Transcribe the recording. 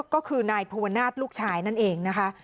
ก็คือนายภูวนาศลูกชายนั่นเองนะคะ